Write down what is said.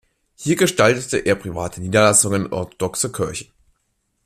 Hier gestaltete er private Niederlassungen und orthodoxe Kirchen.